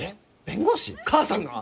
弁護士？母さんが！？